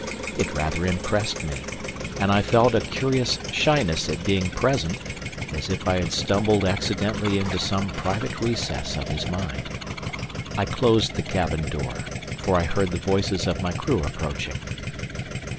It rather impressed me, and I felt a curious shyness at being present, as if I had stumbled accidentally into some private recess of his mind. I closed the cabin door, for I heard the voices of my crew approaching.